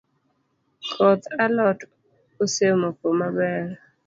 Koth alot osemoko maber